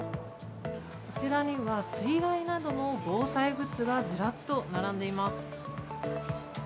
こちらには水害などの防災グッズがずらっと並んでいます。